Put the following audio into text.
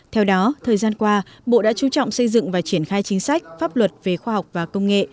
theo đó thời gian qua bộ đã chú trọng xây dựng và triển khai chính sách pháp luật về khoa học và công nghệ